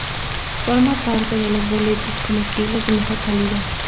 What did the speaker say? Forma parte de los "Boletus" comestibles de mejor calidad.